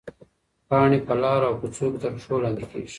پاڼې په لارو او کوڅو کې تر پښو لاندې کېږي.